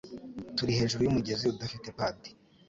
Turi hejuru yumugezi udafite padi.